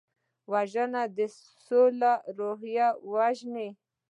وژنه د سولې روح وژني